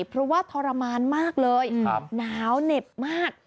เพราะว่าทรมานมากเลยหนาวเหน็บมาก